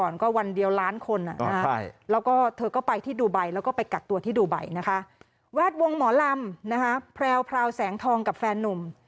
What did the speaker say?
แล้วก็เธอก็ไปที่ดูไบแล้วก็ไปกัดตัวที่ดูไบนะคะแวดวงหมอลำนะคะแพร่วแสงทองกับแฟนนุ่ม